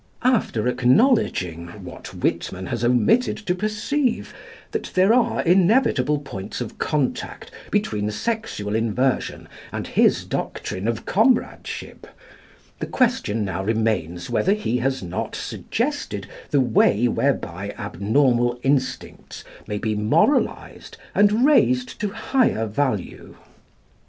After acknowledging, what Whitman has omitted to perceive, that there are inevitable points of contact between sexual inversion and his doctrine of comradeship, the question now remains whether he has not suggested the way whereby abnormal instincts may be moralised and raised to higher value.